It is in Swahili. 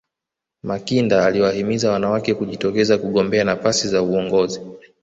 makinda aliwahimiza wanawake kujitokeza kugombea nafasi za uongozi